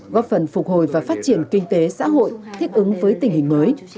góp phần phục hồi và phát triển kinh tế xã hội thích ứng với tình hình mới